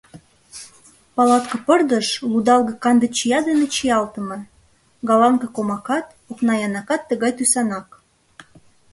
Палатка пырдыж лудалге-канде чия дене чиялтыме, галанке комакат, окна янакат тугай тӱсанак.